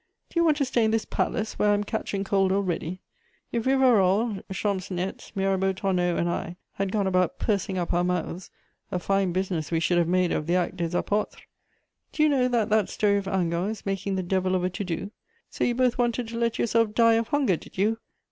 "Do you want to stay in this palace, where I'm catching cold already? If Rivarol, Champcenetz, Mirabeau Tonneau and I had gone about pursing up our mouths, a fine business we should have made of the Actes des Apôtres! Do you know that that story of Hingant is making the devil of a to do? So you both wanted to let yourself die of hunger, did you?